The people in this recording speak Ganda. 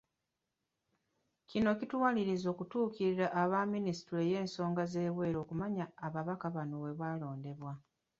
Kino kituwalirizza okutuukirira aba Minisitule y'ensonga z'ebweru okumanya ababaka bano bwe balondebwa.